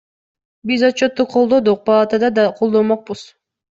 Биз отчетту колдодук, палатада да колдомокпуз.